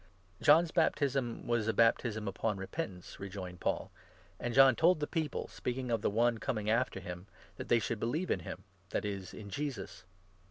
"John's baptism was a baptism upon repentance," rejoined 4 Paul, "and John told the people (speaking of the 'One Coming ' after him) that they should believe in him — that is in Jesus."